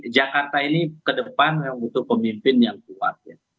jakarta ini ke depan yang butuh pemimpin yang kuat